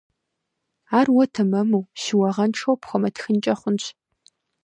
Ар уэ тэмэму, щыуагъэншэу пхуэмытхынкӀэ хъунщ.